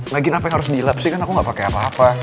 lagiin apa yang harus dilap sih kan aku gak pakai apa apa